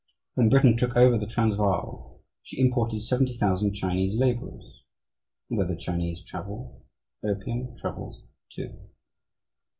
When Britain took over the Transvaal she imported 70,000 Chinese labourers. And where the Chinese travel, opium travels too.